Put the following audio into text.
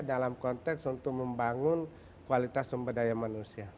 dalam konteks untuk membangun kualitas sumber daya manusia